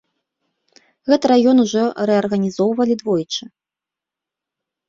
Гэты раён ужо рэарганізоўвалі двойчы.